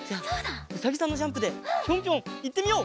うさぎさんのジャンプでぴょんぴょんいってみよう！